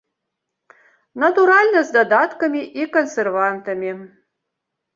Натуральна, з дадаткамі і кансервантамі.